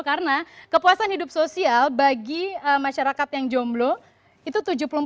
karena kepuasan hidup sosial bagi masyarakat yang jomblo itu tujuh puluh empat satu